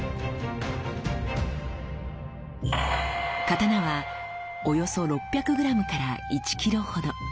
刀はおよそ６００ｇ１ｋｇほど。